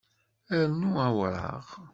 Rnu awṛaɣ